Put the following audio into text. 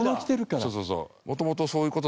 そうそうそう。